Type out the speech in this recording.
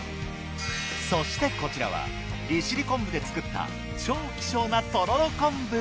そしてこちらは利尻昆布で作った超希少なとろろ昆布。